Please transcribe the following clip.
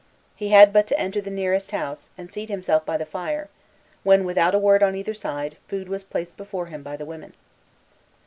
He had but to enter the nearest house, and seat himself by the fire, when, without a word on either side, food was placed before him by the women.